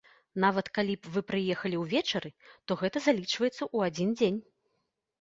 Нават, калі вы прыехалі ўвечары, то гэта залічваецца ў адзін дзень.